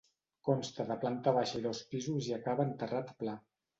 Consta de planta baixa i dos pisos i acaba en terrat pla.